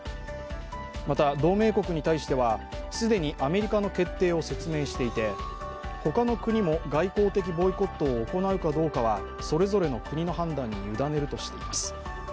また同盟国に対しては、既にアメリカの決定を説明していて他の国も外交的ボイコットを行うかどうかはそれぞれの国の判断に委ねるとしています。